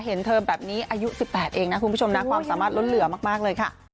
เห็นเธอแบบนี้อายุ๑๘เองนะคุณผู้ชมนะความสามารถล้นเหลือมากเลยค่ะ